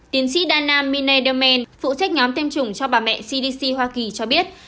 tiến sĩ đan nam mine delmen phụ trách nhóm tiêm chủng cho bà mẹ cdc hoa kỳ cho biết